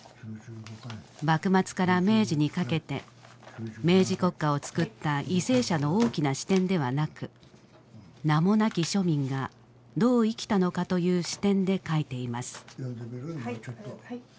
幕末から明治にかけて明治国家をつくった為政者の大きな視点ではなく名もなき庶民がどう生きたのかという視点で書いています。